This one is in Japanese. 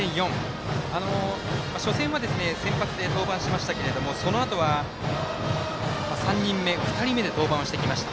初戦は先発で登板しましたけどもそのあと、３人目２人目で登板してきました。